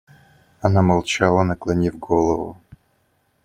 Она молчала, наклонив голову.